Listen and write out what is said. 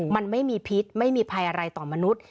มันไม่มีพิษไม่มีภัยอะไรต่อมนุษย์